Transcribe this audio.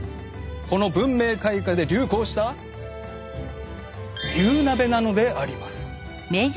この文明開化で流行した牛鍋なのであります。